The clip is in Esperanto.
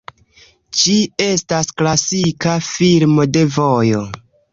Ĝi estas klasika filmo de vojo.